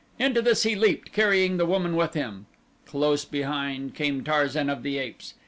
Into this he leaped carrying the woman with him. Close behind came Tarzan of the Apes.